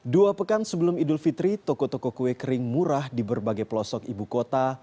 dua pekan sebelum idul fitri toko toko kue kering murah di berbagai pelosok ibu kota